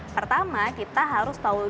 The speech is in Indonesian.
pertama kita harus tahu